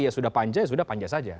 ya sudah panja ya sudah panja saja